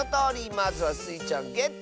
まずはスイちゃんゲット！